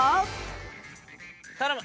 頼む！